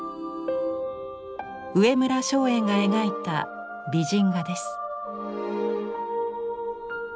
上村松園が描いた美人画です。